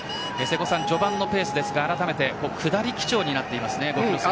序盤のペースですが、あらためて下り基調になっています。